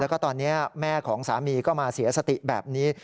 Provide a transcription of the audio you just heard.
แล้วก็ตอนนี้แม่ของสามีก็มาเสียสติแบบนี้